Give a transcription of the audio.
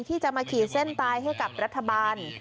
ที่จะมาขีดเส้นตายให้กับรัฐบาล